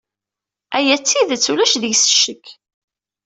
Aya d tidet, ulac deg-s ccek.